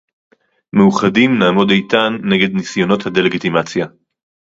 מאוחדים נעמוד איתן נגד ניסיונות הדה-לגיטימציה